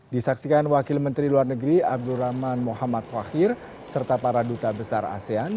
di saksikan wakil menteri luar negeri abdul rahman muhammad fakhir serta para duta besar asean